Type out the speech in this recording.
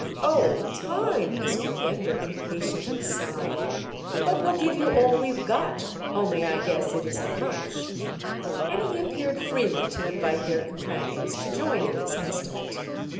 "Oh, time!" Mr. Bender impatiently sighed. "But we'll give you all we've got—only I guess it isn't much." And he appeared freely to invite their companions to join in this estimate.